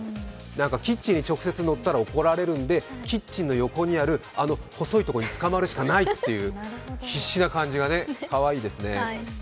キッチンに直接乗ったら怒られるんでキッチンの横にある、あの細いところにつかまるしかないという必死な感じがかわいいですね。